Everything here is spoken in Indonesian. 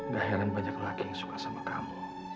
gak heran banyak laki yang suka sama kamu